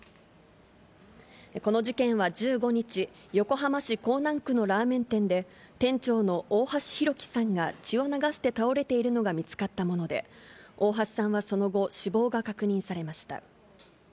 この事件は１５日、横浜市港南区のラーメン店で、店長の大橋弘輝さんが血を流して倒れているのが見つかったもので、大橋さんはその後、死亡が確認されました。